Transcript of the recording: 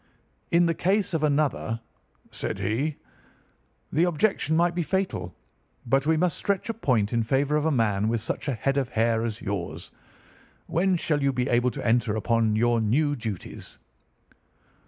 "'In the case of another,' said he, 'the objection might be fatal, but we must stretch a point in favour of a man with such a head of hair as yours. When shall you be able to enter upon your new duties?